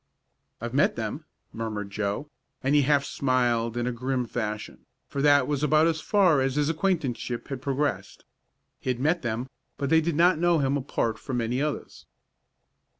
"I've met them," murmured Joe, and he half smiled in a grim fashion, for that was about as far as his acquaintanceship had progressed. He had met them but they did not know him apart from many others.